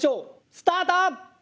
スタート！